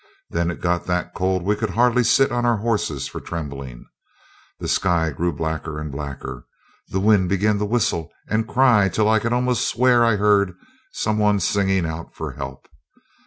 Then it got that cold we could hardly sit on our horses for trembling. The sky grew blacker and blacker. The wind began to whistle and cry till I could almost swear I heard some one singing out for help.